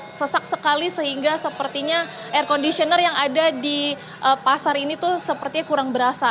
ini sesak sekali sehingga sepertinya air conditioner yang ada di pasar ini tuh sepertinya kurang berasa